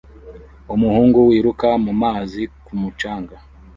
Umuhungu wiruka mu mazi ku mucanga